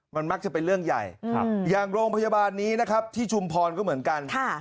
มันมักจะเป็นเรื่องใหญ่อย่างโรงพยาบาลนี้นะครับที่ชุมพรก็เหมือนกัน